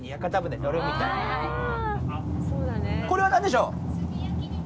これは何でしょう？